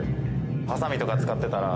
はさみとか使ってたら。